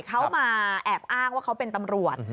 เขามาแอบอ้างว่าเขาเป็นตำรวจ